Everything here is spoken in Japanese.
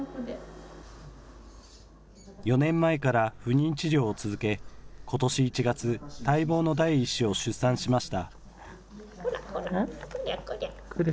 ４年前から不妊治療を続けことし１月、待望の第１子を出産しました。